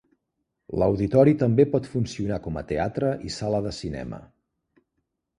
L'auditori també pot funcionar com a teatre i sala de cinema.